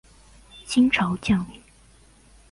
清朝将领。